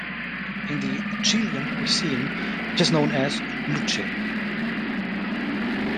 In the Chilean cuisine it is known as "luche"